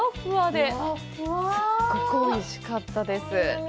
すごくおいしかったです。